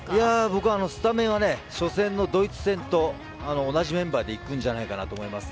僕はスタメンは初戦のドイツ戦と同じメンバーでいくんじゃないかなと思います。